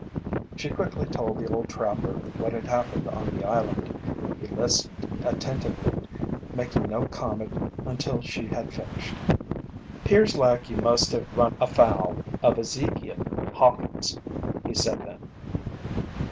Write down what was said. She quickly told the old trapper what had happened on the island. He listened attentively, making no comment until she had finished. "'Pears like you must have run afoul of Ezekiel Hawkins," he said then.